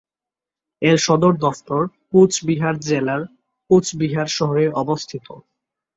এর সদর দফতর কোচবিহার জেলার কোচবিহার শহরে অবস্থিত।